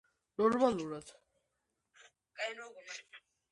მდებარეობს ოჰრიდის ტბის სამხრეთ-აღმოსავლეთ ნაპირზე.